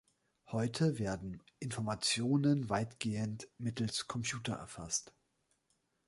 Heute werden Informationen weitgehend mittels Computer erfasst.